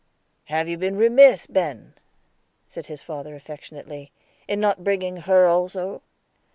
"Have you been remiss, Ben," said his father affectionately, "in not bringing her also?"